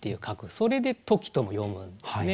それで「トキ」とも読むんですね。